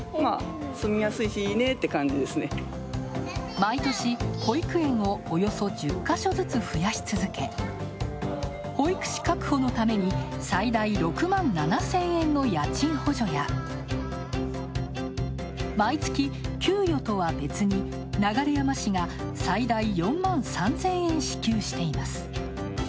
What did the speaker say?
毎年、保育園をおよそ１０か所ずつ増やし続け、保育士確保のために、最大６万７０００円の家賃補助や毎月、給与とは別に流山市が最大４万３０００円支給しています。